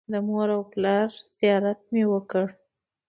د مور او پلار زیارت مې وکړ.